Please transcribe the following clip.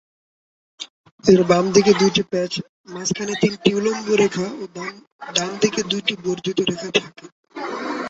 এর বাম দিকে দুইটি প্যাচ, মাঝখানে তিনটি উলম্ব রেখা ও ডানদিকে দুইটি বর্ধিত রেখা থাকে।